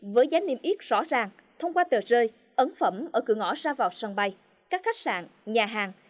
với giá niêm yết rõ ràng thông qua tờ rơi ấn phẩm ở cửa ngõ ra vào sân bay các khách sạn nhà hàng